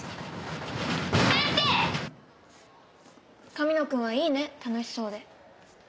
神野くんはいいね楽しそうで。